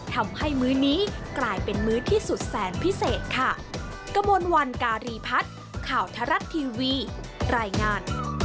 ทำให้มื้อนี้กลายเป็นมื้อที่สุดแสนพิเศษค่ะ